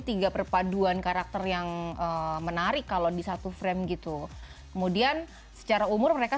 tiga perpaduan karakter yang menarik kalau di satu frame gitu kemudian secara umur mereka